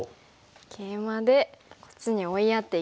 ケイマでこっちに追いやっていきます。